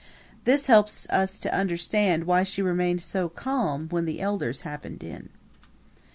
This helps us to understand why she remained so calm when the elders happened in.